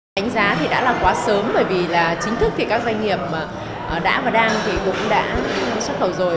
đánh giá thì đã là quá sớm bởi vì là chính thức thì các doanh nghiệp đã và đang thì cũng đã xuất khẩu rồi